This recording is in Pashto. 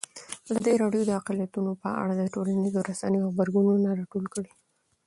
ازادي راډیو د اقلیتونه په اړه د ټولنیزو رسنیو غبرګونونه راټول کړي.